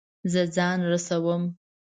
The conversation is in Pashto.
زه ځان رسوم